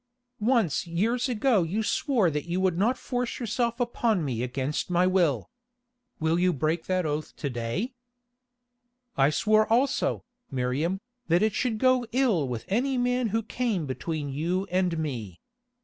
Once years ago you swore that you would not force yourself upon me against my will. Will you break that oath to day?" "I swore also, Miriam, that it should go ill with any man who came between you and me.